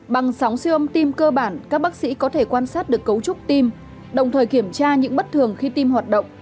bằng sóng siêu âm tim cơ bản các bác sĩ có thể quan sát được cấu trúc tim đồng thời kiểm tra những bất thường khi tim hoạt động